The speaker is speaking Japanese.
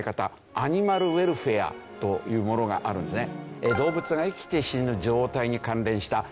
アニマルウェルフェアというものがあるんですね。